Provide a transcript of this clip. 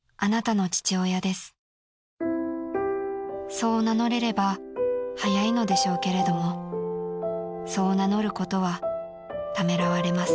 ［「そう名乗れれば早いのでしょうけれどもそう名乗ることはためらわれます」］